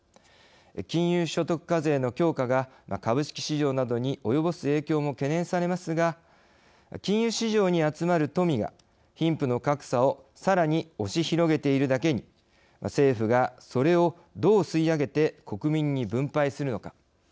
金融所得課税の強化は株式市場などに及ぼす影響も懸念されますが金融市場に集まる富が貧富の格差をさらに押し広げているだけに政府が、それを、どう吸い上げて国民に分配するのか。